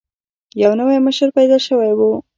یو نوی مشر پیدا شوی وو.